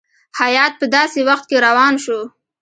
هیات په داسي وخت کې روان شو.